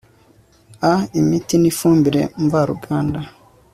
a imiti n ifumbire mvaruganda